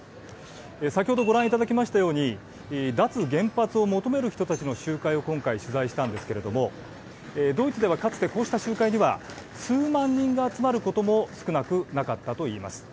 先ほどご覧いただきましたように脱原発を求める人たちの集会を今回、取材したんですけれどもドイツではかつて、こうした集会には数万人が集まることも少なくなかったといいます。